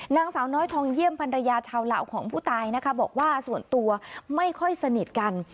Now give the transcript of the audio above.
นางสาวน้อยทองเยี่ยมพันรยาชาวลาวของผู้ตายนะคะบอกว่าส่วนตัวไม่ค่อยสนิทกัน